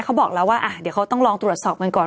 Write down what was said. เขาบอกแล้วว่าเดี๋ยวเขาต้องลองตรวจสอบกันก่อน